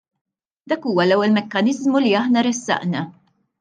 Dak huwa l-ewwel mekkaniżmu li aħna ressaqna.